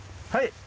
はい。